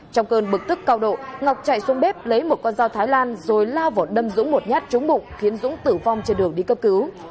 trong cơn bực tức cao độ ngọc chạy xuống bếp lấy một con dao thái lan rồi lao vào đâm dũng một nhát trúng bụng khiến dũng tử vong trên đường đi cấp cứu